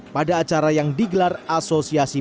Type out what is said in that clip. pada acara yang digelar asosiasi